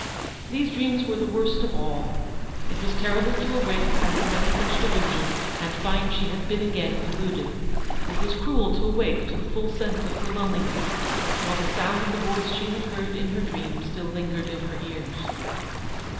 These dreams were the worst of all. It was terrible to awake after many such delusions and find she had been again deluded. It was cruel to awake to the full sense of her loneliness, while the sound of the voice she had heard in her dream still lingered in her ears.